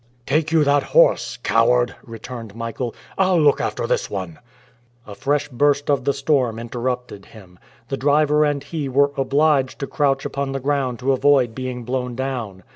"Take you that horse, coward," returned Michael, "I'll look after this one." A fresh burst of the storm interrupted him. The driver and he were obliged to crouch upon the ground to avoid being blown down.